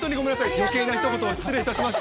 余計なひと言を失礼いたしました。